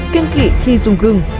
kiên kỷ khi dùng gừng